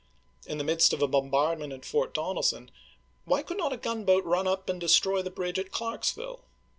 In the midst of 9, bombardment at Fort Donelson, why could not a gunboat run up and destroy Lincoln to the bridge at Clarksville